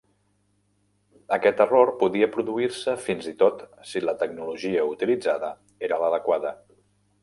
Aquest error podia produir-se fins i tot si la tecnologia utilitzada era l'adequada.